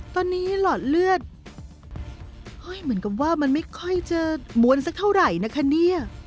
ตอนนี้หลอดเลือดเหมือนกับว่ามันไม่ค่อยจะม้วนสักเท่าไหร่นะคะเนี่ย